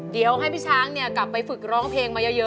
เดี๋ยวให้พี่ช้างกลับไปฝึกร้องเพลงมาเยอะ